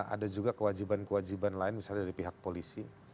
ada juga kewajiban kewajiban lain misalnya dari pihak polisi